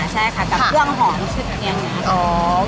ใช่ค่ะกับเผื่องหอมอย่างน้อย